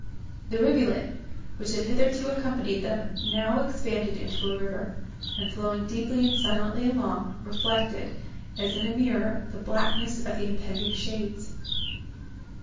The rivulet, which had hitherto accompanied them, now expanded into a river; and, flowing deeply and silently along, reflected, as in a mirror, the blackness of the impending shades.